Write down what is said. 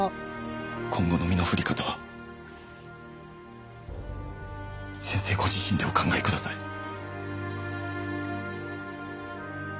今後の身の振り方は先生ご自身でお考えください。